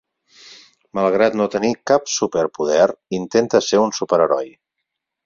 Malgrat no tenir cap super-poder, intenta ser un superheroi.